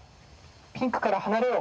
ピンクから離れろ。